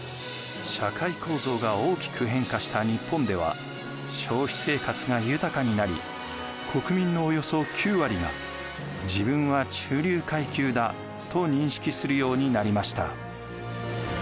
社会構造が大きく変化した日本では消費生活が豊かになり国民のおよそ９割が自分は中流階級だと認識するようになりました。